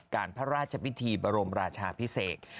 พระราชพิธีบรมราชาพิเศษ